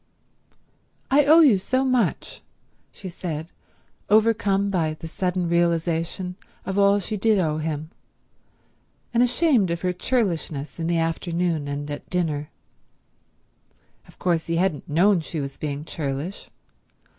"I owe you so much," she said, overcome by the sudden realization of all she did owe him, and ashamed of her churlishness in the afternoon and at dinner. Of course he hadn't known she was being churlish.